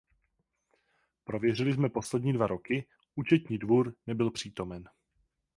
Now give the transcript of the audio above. Prověřili jsme poslední dva roky, Účetní dvůr nebyl přítomen.